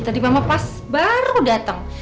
tadi mama pas baru datang